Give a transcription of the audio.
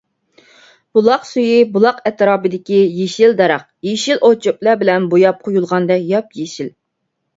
بۇلاق سۈيى بۇلاق ئەتراپىدىكى يېشىل دەرەخ، يېشىل ئوت - چۆپلەر بىلەن بوياپ قويۇلغاندەك ياپيېشىل.